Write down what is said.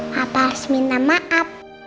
papa harus minta maaf